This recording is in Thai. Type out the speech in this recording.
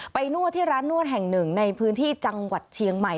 นวดที่ร้านนวดแห่งหนึ่งในพื้นที่จังหวัดเชียงใหม่